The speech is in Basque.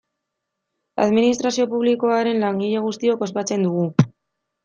Administrazio publikoaren langile guztiok ospatzen dugu.